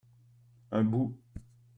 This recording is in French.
un bout.